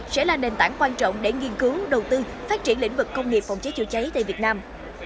sẽ là nền tảng quan trọng để nghiên cứu đầu tư phát triển lĩnh vực công nghiệp phòng cháy chữa cháy tại việt nam